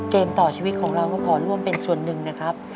เกมต่อชีวิตของเราก็ขอร่วมเป็นส่วนหนึ่งนะครับ